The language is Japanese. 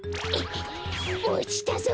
おちたぞ！